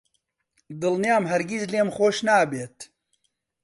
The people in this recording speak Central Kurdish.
دڵنیام هەرگیز لێم خۆش نابێت.